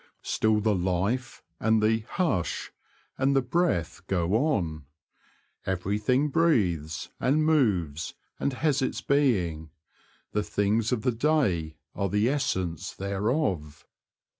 Still the life, and the ''hush," and the breath go on. Everything breathes, and moves, and has its being ; the things of the day are the essence thereof.